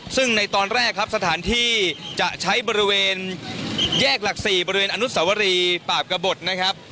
ซึ่งในตอนแรกครับสถานที่จะใช้บริเวณแยกหลัก๔บริเวณอนุสวรีปราบกระบดนะครับ